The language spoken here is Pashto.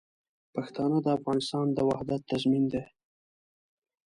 پښتانه د افغانستان د وحدت تضمین دي.